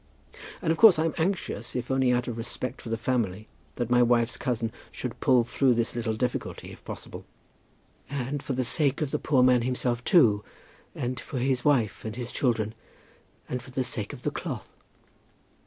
"And of course I'm anxious, if only out of respect for the family, that my wife's cousin should pull through this little difficulty, if possible." "And for the sake of the poor man himself too, and for his wife, and his children; and for the sake of the cloth."